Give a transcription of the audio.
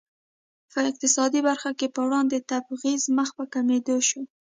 په اقتصادي برخه کې پر وړاندې تبعیض مخ په کمېدو شو.